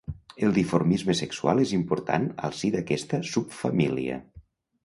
El dimorfisme sexual és important al si d'aquesta subfamília.